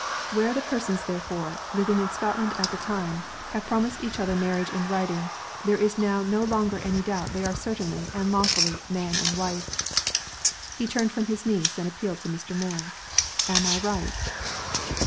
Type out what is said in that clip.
Where the persons therefore living in Scotland at the time have promised each other marriage in writing, there is now no longer any doubt they are certainly, and lawfully, Man and Wife." He turned from his niece, and appealed to Mr. Moy. "Am I right?"